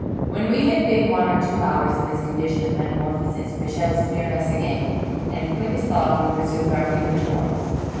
"When we had been one or two honrs in this condition of metamorphosis, Michel smeared ns again, and quick as thought we resumed our human forms.